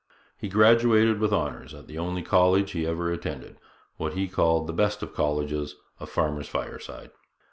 He graduated with honours at the only college he ever attended what he called 'the best of colleges a farmer's fireside.'